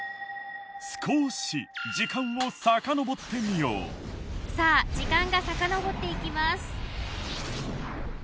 少し時間をさかのぼってみようさあ時間がさかのぼっていきます